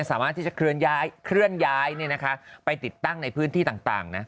สามารถที่จะเคลื่อนย้ายไปติดตั้งในพื้นที่ต่างนะ